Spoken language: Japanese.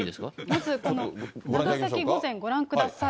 まず、この長崎御膳、ご覧ください。